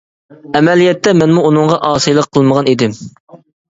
ئەمەلىيەتتە، مەنمۇ ئۇنىڭغا ئاسىيلىق قىلمىغان ئىدىم.